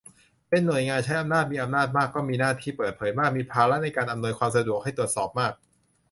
เป็นหน่วยงานใช้อำนาจ มีอำนาจมาก ก็มีหน้าที่เปิดเผยมาก มีภาระในการอำนวยความสะดวกให้ตรวจสอบมาก